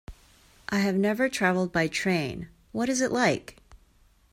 I have never traveled by train, what is it like?